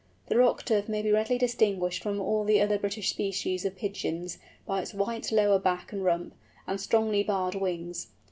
The Rock Dove may be readily distinguished from all the other British species of Pigeons by its white lower back and rump, and strongly barred wings.